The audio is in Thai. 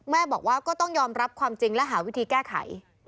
บอกว่าก็ต้องยอมรับความจริงและหาวิธีแก้ไข